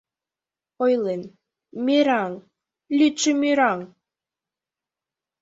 Ойлен: мераҥ — лӱдшӧ мераҥ.